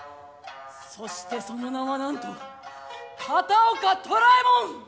そしてその名はなんと片岡寅右衛門！